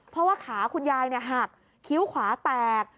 เพราะว่าขาคุณยายหักคิ้วขวาแตก